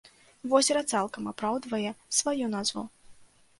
Возера цалкам апраўдвае сваю назву.